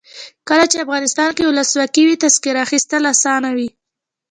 کله چې افغانستان کې ولسواکي وي تذکره اخیستل اسانه وي.